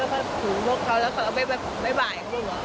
แล้วเขาถูกลดเขาแล้วเขาเอาไว้บ่าย